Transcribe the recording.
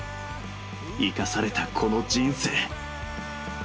生かされたこの人生」。